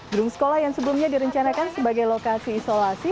grung sekolah yang sebelumnya direncanakan sebagai lokasi isolasi